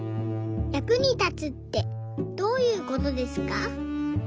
役に立つってどういうことですか？」。